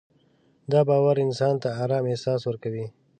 دا باور انسان ته ارام احساس ورکوي.